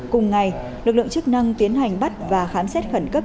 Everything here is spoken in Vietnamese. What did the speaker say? cùng ngày lực lượng chức năng tiến hành bắt và khám xét khẩn cấp